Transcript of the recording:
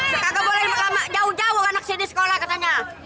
kaka boleh jauh jauh anak sini sekolah katanya